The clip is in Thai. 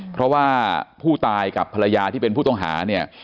เพราะว่าผู้ตายกับภรรยาที่เป็นผู้ต้องหาเนี่ย